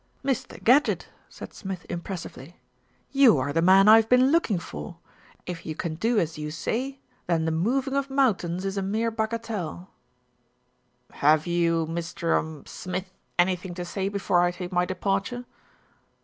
"Mr. Gadgett," said Smith impressively, "you are the man I have been looking for. If you can do as. 248 THE RETURN OF ALFRED you say, then the moving of mountains is a mere bagatelle." "Have you, Mr. er Smith, anything to say before I take my departure?"